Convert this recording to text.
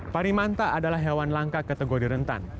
parimanta adalah hewan langka kategori rentan